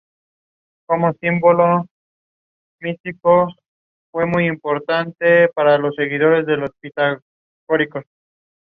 He studied philosophy at the University of Sorbonne.